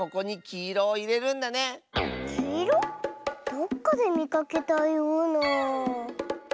どっかでみかけたような。